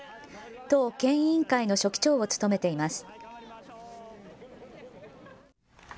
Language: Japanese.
党県委員会の書記長を務めています。